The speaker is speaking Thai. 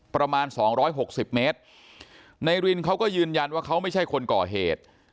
ประมาณ๒๖๐เมตรนายรินเขาก็ยืนยันว่าเขาไม่ใช่คนก่อเหตุ